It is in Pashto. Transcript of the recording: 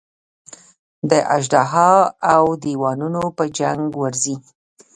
د اژدها او دېوانو په جنګ ورځي.